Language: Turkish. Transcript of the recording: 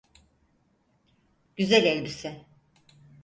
Güzel elbise.